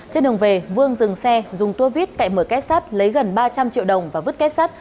trên đường về vương dừng xe dùng tua vít cậy mở kết sắt lấy gần ba trăm linh triệu đồng và vứt kết sắt